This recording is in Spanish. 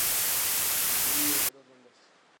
El jurado será el mismo en las dos rondas.